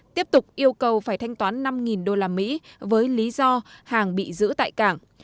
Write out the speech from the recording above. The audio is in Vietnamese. tiếp tục yêu cầu phải thanh toán năm usd với lý do hàng bị giữ tại cảng